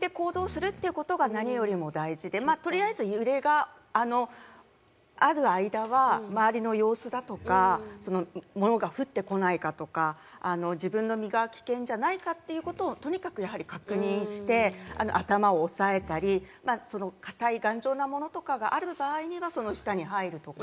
落ち着いて行動することが何より大事で、とにかく揺れがある間は周りの様子だとか、物が降ってこないかとか、自分の身が危険じゃないかということをとにかく、やはり確認して頭をおさえたり、硬い頑丈なものとかがある場合にはその下に入るとか。